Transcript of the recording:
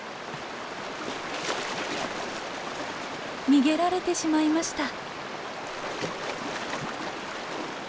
逃げられてしまいました。